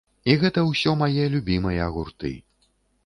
І гэта ўсё мае любімыя гурты.